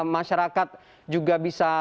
masyarakat juga bisa